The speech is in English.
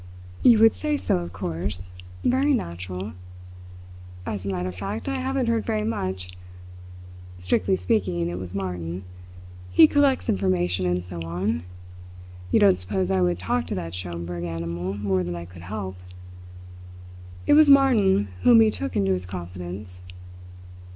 "You would say so, of course very natural. As a matter of fact I haven't heard very much. Strictly speaking, it was Martin. He collects information, and so on. You don't suppose I would talk to that Schomberg animal more than I could help? It was Martin whom he took into his confidence."